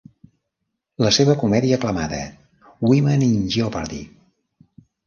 La seva comèdia aclamada, Women in Jeopardy!